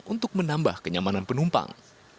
untuk menambah kenyamanan penumpang